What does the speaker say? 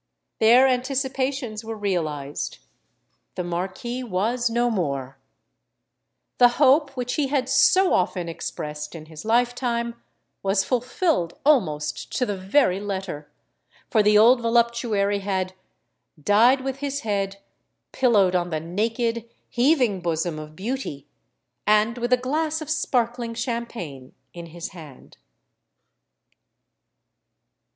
Their anticipations were realised: the Marquis was no more! The hope which he had so often expressed in his life time, was fulfilled almost to the very letter;—for the old voluptuary had "died with his head pillowed on the naked—heaving bosom of beauty, and with a glass of sparkling champagne in his hand!"